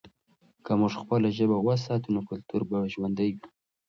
که موږ خپله ژبه وساتو، نو کلتور به ژوندی وي.